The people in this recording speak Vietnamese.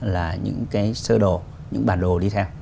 là những cái sơ đồ những bản đồ đi theo